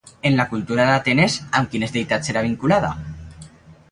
En la cultura d'Atenes, amb quines deïtats era vinculada?